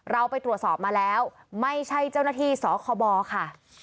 เราไปตรวจสอบมาแล้วไม่ใช่เจ้าหน้าที่สคบค่ะ